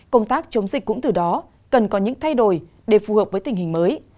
công tác chống dịch cũng từ đó cần có những thay đổi để phù hợp với tình hình mới